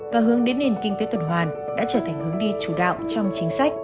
và hướng đến nền kinh tế tuần hoàn đã trở thành hướng đi chủ đạo trong chính sách